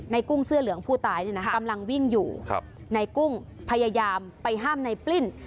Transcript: กุ้งเสื้อเหลืองผู้ตายเนี่ยนะกำลังวิ่งอยู่ในกุ้งพยายามไปห้ามในปลิ้น